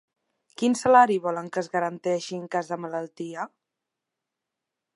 Quin salari volen que es garanteixi en cas de malaltia?